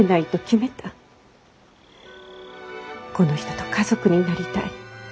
この人と家族になりたい。